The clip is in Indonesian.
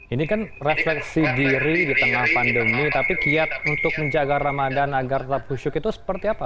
ini kan refleksi diri di tengah pandemi tapi kiat untuk menjaga ramadan agar tetap husyuk itu seperti apa